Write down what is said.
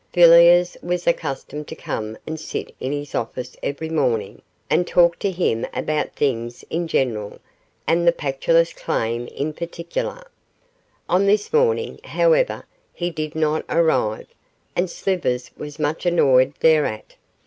Villiers was accustomed to come and sit in his office every morning, and talk to him about things in general, and the Pactolus claim in particular. On this morning, however, he did not arrive, and Slivers was much annoyed thereat.